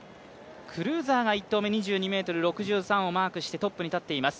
クルーザーが２２秒６３をマークしてトップに立っています。